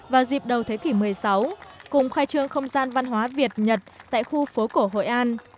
vào dịp đầu thế kỷ một mươi sáu cùng khai trương không gian văn hóa việt nhật tại khu phố cổ hội an